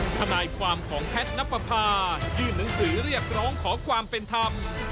ทนายความของแพทย์นับประพายื่นหนังสือเรียกร้องขอความเป็นธรรม